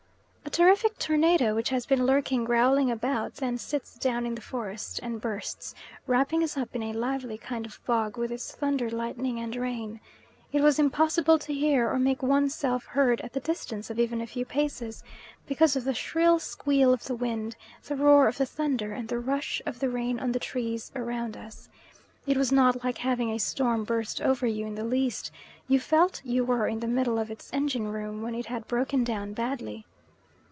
A terrific tornado which has been lurking growling about then sits down in the forest and bursts, wrapping us up in a lively kind of fog, with its thunder, lightning, and rain. It was impossible to hear, or make one's self heard at the distance of even a few paces, because of the shrill squeal of the wind, the roar of the thunder, and the rush of the rain on the trees round us. It was not like having a storm burst over you in the least; you felt you were in the middle of its engine room when it had broken down badly.